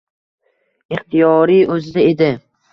Ixtiyori o`zida edi